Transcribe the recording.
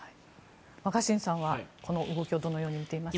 若新さんはこの動きをどのように見ていますか？